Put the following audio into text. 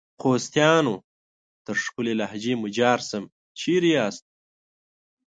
خوستیانو ! تر ښکلي لهجې مو جار سم ، چیري یاست؟